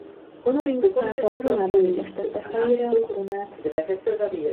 Honoriusz pápa Rómában illesztette fejére a koronát.